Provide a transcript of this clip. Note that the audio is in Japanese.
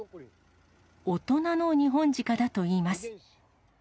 大人のニホンジカだといいます。